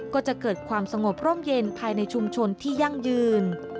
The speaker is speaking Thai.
ก็จะเกิดความสงบร่มเย็นภายในชุมชนที่ยั่งยืน